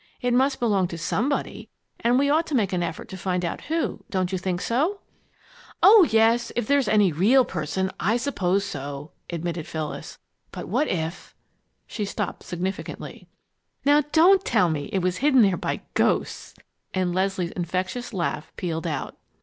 It must belong to somebody, and we ought to make an effort to find out who. Don't you think so?" "Oh, yes, if it's any real person I suppose so," admitted Phyllis. "But what if " She stopped significantly. "Now don't tell me it was hidden there by ghosts!" And Leslie's infectious laugh pealed out.